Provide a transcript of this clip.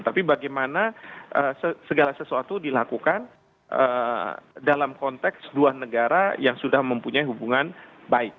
tapi bagaimana segala sesuatu dilakukan dalam konteks dua negara yang sudah mempunyai hubungan baik